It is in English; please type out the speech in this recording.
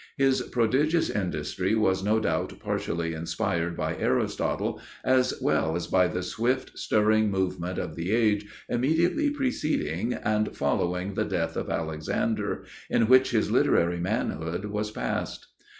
His prodigious industry was no doubt partially inspired by Aristotle as well as by the swift, stirring movement of the age immediately preceding and following the death of Alexander, in which his literary manhood was passed.